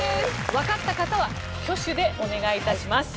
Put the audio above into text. わかった方は挙手でお願い致します。